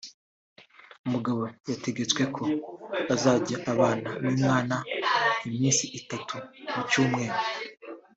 umugabo yategetswe ko azajya abana n’umwana iminsi itatu mu cyumweru